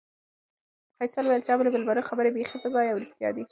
فیصل وویل چې د امربالمعروف خبرې بیخي په ځای او رښتیا دي.